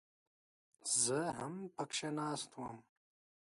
زه هم پکښې ناست وم.